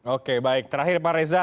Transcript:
oke baik terakhir pak reza